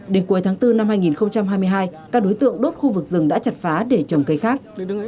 đến cuối tháng bốn năm hai nghìn hai mươi hai các đối tượng đốt khu vực rừng đã chặt phá để trồng cây khác